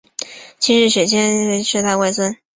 七世雪谦冉江仁波切是他的外孙。